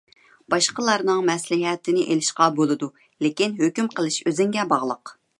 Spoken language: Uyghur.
باشقىلارنىڭ مەسلىھەتىنى ئېلىشقا بولىدۇ، لېكىن ھۆكۈم قىلىش ئۆزۈڭگە باغلىق.